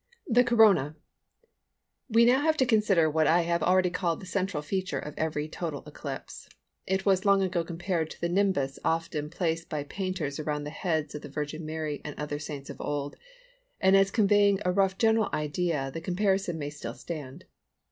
THE CORONA. We have now to consider what I have already called the central feature of every total eclipse. It was long ago compared to the nimbus often placed by painters around the heads of the Virgin Mary and other saints of old; and as conveying a rough general idea the comparison may still stand.